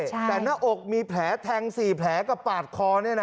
แต่หน้าอกมีแผลแทง๔แผลกับปาดคอ